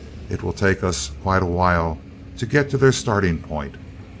It will take us quite a while to get to their starting point.